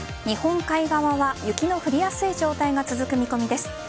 日本海側は雪の降りやすい状態が続く見込みです。